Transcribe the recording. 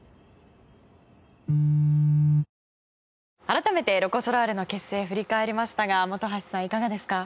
改めてロコ・ソラーレの結成振り返りましたが本橋さんいかがですか？